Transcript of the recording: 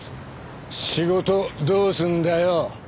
仕事どうすんだよ？